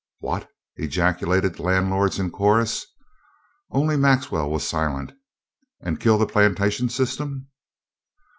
"What!" ejaculated the landlords in chorus. Only Maxwell was silent. "And kill the plantation system?"